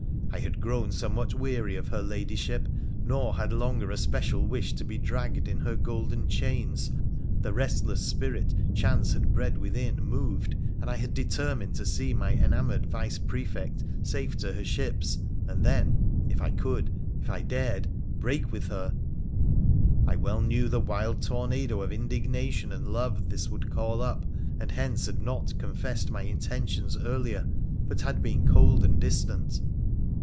I had grown somewhat weary of her Ladyship, nor had longer a special wish to be dragged in her golden chains, the restless spirit chance had bred within moved, and I had determined to see my enamoured Vice Prefect safe to her ships, and then — if I could — if I dared — break with her ! I well knew the wild tornado of indignation and love this would call up, and hence had not confessed my intentions earlier, but had been cold and distant.